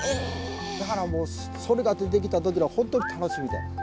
だからもうそれが出てきた時は本当に楽しみで。